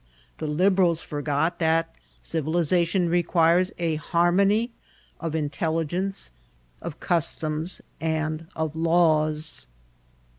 The Liberals forgot that civilization . requires a harmony of intelli* gence, of customs, and of laws.